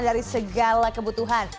dari segala kebutuhan